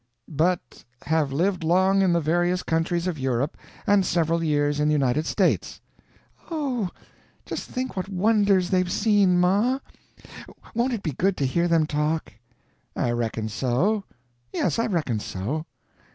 " 'but have lived long in the various countries of Europe, and several years in the United States.'" "Oh, just think what wonders they've seen, ma! Won't it be good to hear them talk?" "I reckon so; yes, I reckon so.